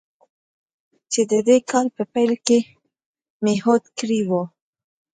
چې د دې کال په پیل کې مې هوډ کړی و.